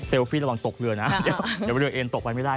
ฟี่ระหว่างตกเรือนะเดี๋ยวเรือเอ็นตกไปไม่ได้